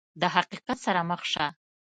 د حقیقت سره مخ شه !